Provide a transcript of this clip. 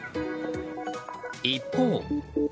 一方。